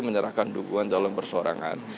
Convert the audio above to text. menyerahkan dukungan calon persoarangan